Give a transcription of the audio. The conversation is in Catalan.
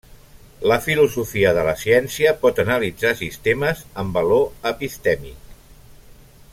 La filosofia de la ciència pot analitzar sistemes amb valor epistèmic.